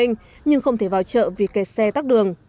nhưng không thể vào trợ vì kẻ xe tắt đường